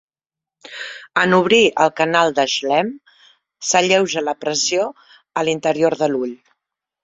En obrir el canal de Schlemm, s'alleuja la pressió a l'interior de l'ull.